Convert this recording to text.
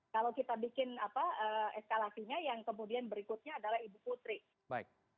kalau kita bikin eskalasinya yang kemudian berikutnya adalah ibu putri